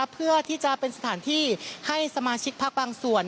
เพื่อที่จะเป็นสถานที่ให้สมาชิกพักบางส่วน